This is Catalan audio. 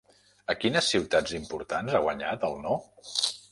A quines ciutats importants ha guanyat el No?